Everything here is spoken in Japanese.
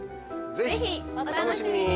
ぜひお楽しみに。